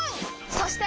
そして！